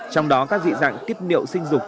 trong đó các dị dạng tiết niệu sinh dục